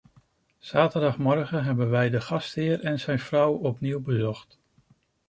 Zaterdagmorgen hebben wij de gastheer en zijn vrouw opnieuw bezocht.